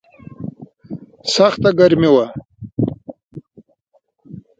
سخته ګرمي وه.